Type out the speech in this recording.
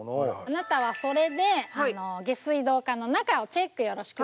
あなたはそれで下水道管の中をチェックよろしくね。